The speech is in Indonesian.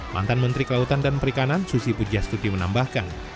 mantan menteri kelautan dan perikanan susi pujastuti menambahkan